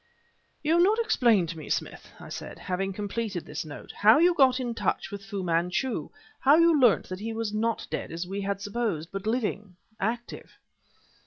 "You have not explained to me, Smith," I said, having completed this note, "how you got in touch with Fu Manchu; how you learnt that he was not dead, as we had supposed, but living active."